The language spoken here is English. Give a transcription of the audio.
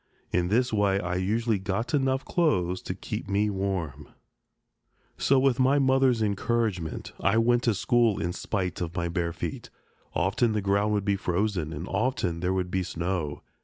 In this way I usually got enough clothes to keep me warm. So, with my mother's encouragement, I went to school in spite of my bare feet. Often the ground would be frozen, and often there would be snow.